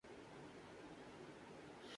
لیکن اس ریاست میں نچلے طبقات اس عذاب میں ہوں۔